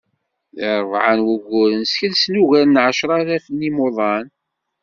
Di rebɛa n wugguren, skelsen ugar n ɛecralaf n yimuḍan.